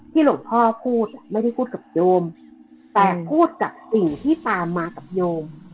หลวงพ่อพูดไม่ได้พูดกับโยมแต่พูดกับปู่ที่ตามมากับโยม